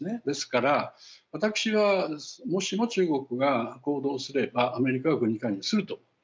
ですから私はもしも中国が行動すればアメリカは軍事介入すると。